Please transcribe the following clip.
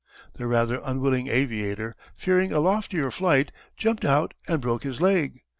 The rather unwilling aviator, fearing a loftier flight, jumped out and broke his leg.